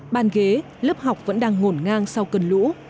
bàn ghế lớp học vẫn đang ngổn ngang sau cơn lũ